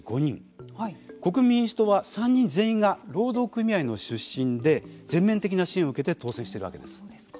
国民民主党は３人全員が労働組合の出身で全面的な支援を受けて当選しているわけです。